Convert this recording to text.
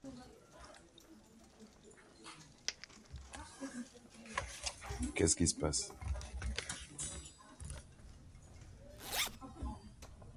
Le site est recouvert de prairies, parfois fleuries, et de quelques zones arborées.